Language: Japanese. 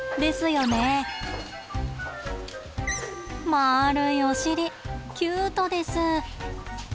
まるいお尻キュートです。